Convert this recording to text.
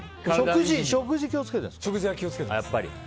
食事に気を付けてますか？